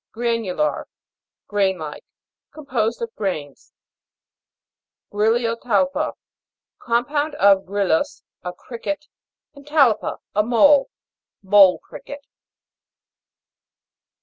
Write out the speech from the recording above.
GRA'NULAR. Grain like ; composed of grains. GRILLO TAL'PA. Compounded ofgri* lus, a cricket, and talpa, a mole Mole cricket.